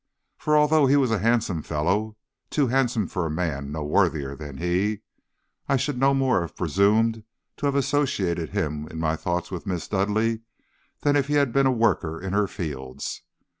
For, though he was a handsome fellow too handsome for a man no worthier than he I should no more have presumed to have associated him in my thoughts with Miss Dudleigh than if he had been a worker in her fields.